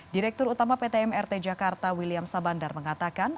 direktur utama ptmrt jakarta william sabandar mengatakan